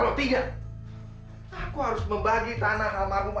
sampai jumpa di video selanjutnya